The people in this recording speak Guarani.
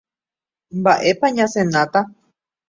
Mba'épa ñasenáta.